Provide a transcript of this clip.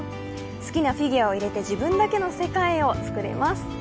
好きなフィギュアを入れて自分だけの世界を作れます。